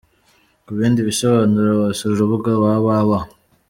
Ku bindi bisobanuro wasura urubuga www.